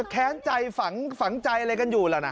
แค้นใจฝังใจอะไรกันอยู่แล้วนะ